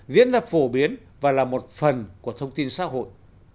diễn ra phổ biến và là một phần của thông tin xã hội